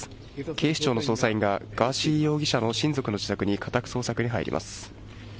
警視庁の捜査員が、ガーシー容疑者の親族の自宅に家宅捜索に入ります。